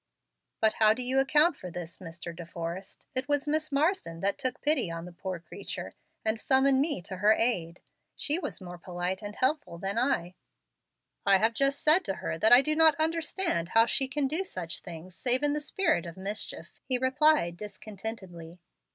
But how do you account for this, Mr. De Forrest? It was Miss Marsden that took pity on the poor creature and summoned me to her aid. She was more polite and helpful than I." "I have just said to her that I do not understand how she can do such things save in the spirit of mischief," he replied, discontentedly.